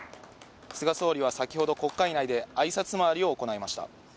菅総理は先ほど国会内であいさつ回りを行いました。